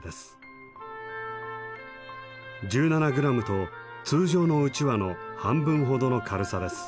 １７グラムと通常のうちわの半分ほどの軽さです。